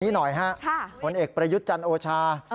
หน่อยฮะผลเอกประยุทธ์จันทร์โอชา